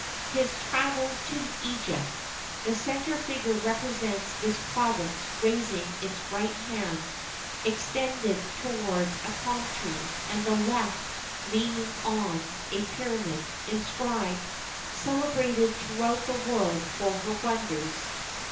His travels to Egypt. The centre figure represents this province raising its right hand extended towards a palm tree, and the left leaning on a pyramid, inscribed "Celebrated throughout the world for her wonders."